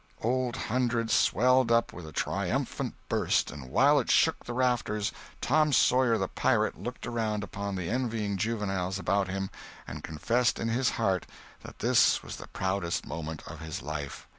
Old Hundred swelled up with a triumphant burst, and while it shook the rafters Tom Sawyer the Pirate looked around upon the envying juveniles about him and confessed in his heart that this was the proudest moment of his life.